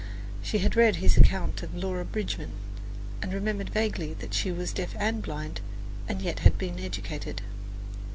She had read his account of Laura Bridgman, and remembered vaguely that she was deaf and blind, yet had been educated.